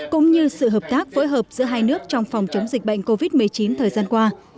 cũng như sự hợp tác phối hợp giữa hai nước trong phòng chống dịch bệnh covid một mươi chín thời gian qua